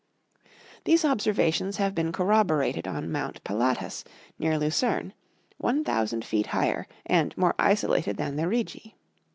These observations have been corroborated on Mount Pilatus, near Lucerne 1000 feet higher and more isolated than the Rigi.